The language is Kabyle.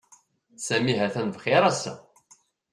Sami ha-t-an bxir ass-a.